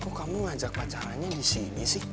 oh kamu ngajak pacarannya di sini sih